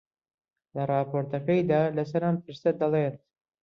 لە ڕاپۆرتەکەیدا لەسەر ئەم پرسە دەڵێت: